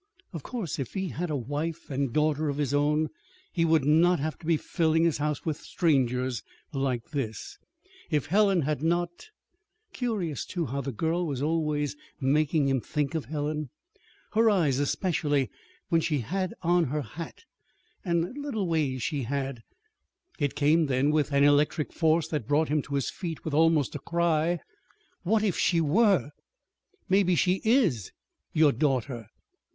Of course, if he had a wife and daughter of his own, he would not have to be filling his house with strangers like this. If Helen had not Curious, too, how the girl was always making him think of Helen her eyes, especially when she had on her hat, and little ways she had It came then, with an electric force that brought him to his feet with almost a cry: "What if she were maybe she is your daughter!"